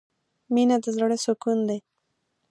مینه د زړه سکون دی.